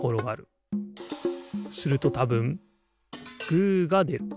するとたぶんグーがでる。